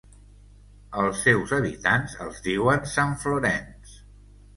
Als seus habitants els diuen "sanflorains".